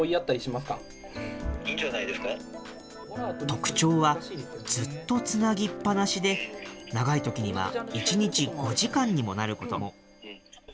特徴は、ずっとつなぎっぱなしで、長いときには１日５時間にもなることも。